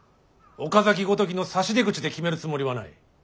岡崎ごときの差し出口で決めるつもりはない。